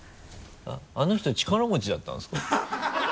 あの人力持ちだったんですか？